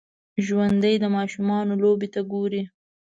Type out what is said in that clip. ژوندي د ماشومانو لوبو ته ګوري